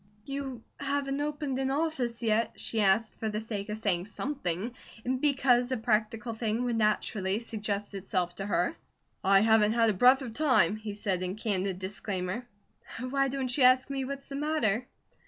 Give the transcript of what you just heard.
"You haven't opened an office yet?" she asked for the sake of saying something, and because a practical thing would naturally suggest itself to her. "I haven't had a breath of time," he said in candid disclaimer. "Why don't you ask me what's the matter?"